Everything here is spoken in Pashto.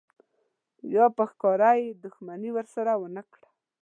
یا په ښکاره یې دښمني ورسره ونه کړه.